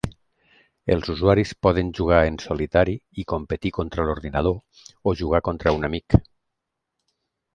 Els usuaris poden jugar en solitari i competir contra l'ordinador o jugar contra un amic.